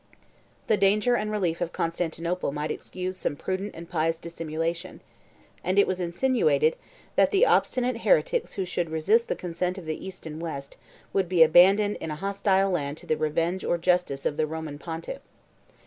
67 The danger and relief of Constantinople might excuse some prudent and pious dissimulation; and it was insinuated, that the obstinate heretics who should resist the consent of the East and West would be abandoned in a hostile land to the revenge or justice of the Roman pontiff.